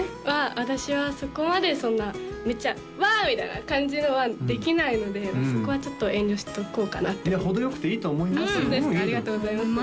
私はそこまでそんなめっちゃ「ワー！」みたいな感じのはできないのでそこはちょっと遠慮しとこうかなっていや程よくていいと思いますよ